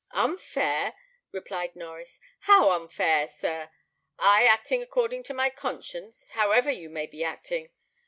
"Unfair!" replied Norries; "how unfair, sir? I acting according to my conscience, however you may be acting.